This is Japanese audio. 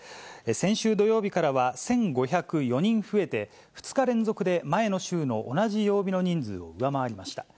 先週土曜日からは１５０４人増えて、２日連続で前の週の同じ曜日の人数を上回りました。